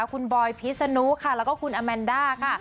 คุณบอยพิษนุค่ะแล้วก็คุณอแมนด้าค่ะ